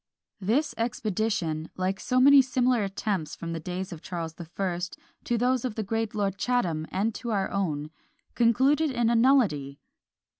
This expedition, like so many similar attempts from the days of Charles the First to those of the great Lord Chatham, and to our own concluded in a nullity!